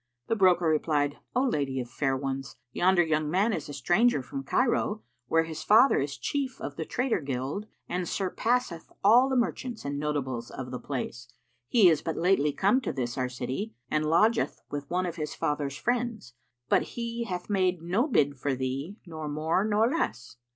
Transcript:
The broker replied, "O lady of fair ones, yonder young man is a stranger from Cairo, where his father is chief of the trader guild and surpasseth all the merchants and notables of the place. He is but lately come to this our city and lodgeth with one of his father's friends; but he hath made no bid for thee nor more nor less."